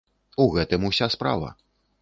У гэтым уся справа.